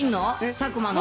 佐久間の。